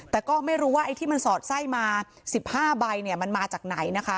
แต่ก็ไม่รู้ว่าไอ้ที่มันสอดไส้มา๑๕ใบเนี่ยมันมาจากไหนนะคะ